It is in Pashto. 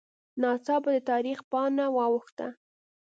ناڅاپه د تاریخ پاڼه واوښته